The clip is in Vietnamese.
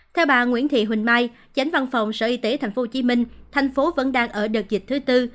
theo bà nguyễn thị huỳnh mai chánh văn phòng sở y tế tp hcm thành phố vẫn đang ở đợt dịch thứ tư